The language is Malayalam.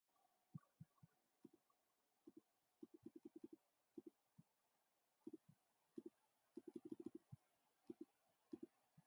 ചരക്കുസേവനനികുതിയിൽ കൊണ്ടു വന്നിട്ടെന്താണു കാര്യം, ഇന്ധനവില എന്നാലും കൂട്ടുകയല്ലേ?